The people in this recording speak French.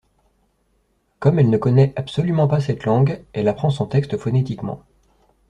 Comme elle ne connaît absolument pas cette langue, elle apprend son texte phonétiquement.